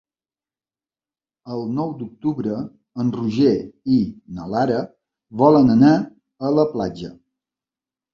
El nou d'octubre en Roger i na Lara volen anar a la platja.